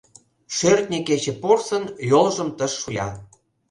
Шӧртньӧ кече Порсын йолжым Тыш шуя.